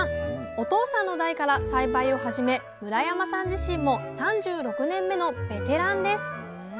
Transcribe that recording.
お父さんの代から栽培を始め村山さん自身も３６年目のベテランです。